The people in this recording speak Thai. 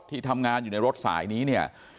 ที่ทำงานอยู่ในรถสายนี้เนี่ย